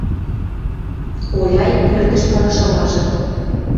Оляй пӧртӹш пырышылажы.